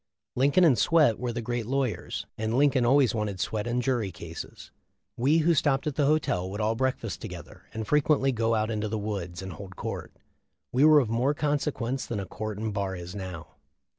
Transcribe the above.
Lincoln and Swett were the great lawyers, and Lincoln always wanted Swett in jury cases. We who stopped at the hotel would all breakfast together and frequently go out into the woods and hold court. We were of more consequence than a court and bar is now.